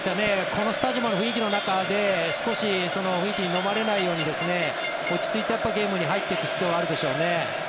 このスタジアムの雰囲気の中で少し雰囲気にのまれないように落ち着いてゲームに入っていく必要はあるでしょうね。